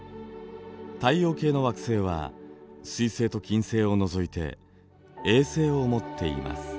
太陽系の惑星は水星と金星を除いて衛星を持っています。